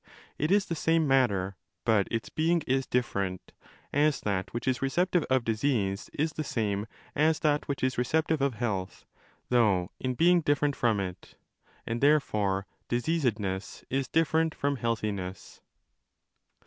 It is the same matter, but its being is different, as that which is receptive of disease is the same as that which is receptive of health, though in being different from it, and therefore diseasedness is different from healthiness.